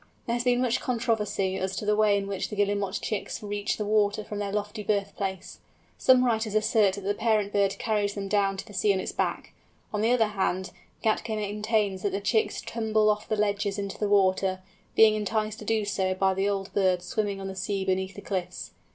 There has been much controversy as to the way in which the Guillemot chicks reach the water from their lofty birthplace. Some writers assert that the parent bird carries them down to the sea on its back; on the other hand, Gätke maintains that the chicks tumble off the ledges into the water, being enticed to do so by the old birds swimming on the sea beneath the cliffs.